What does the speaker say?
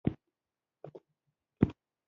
ترموز د مامور د مېز ښکلا ده.